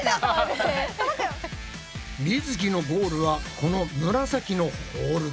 みづきのゴールはこの紫のホールド。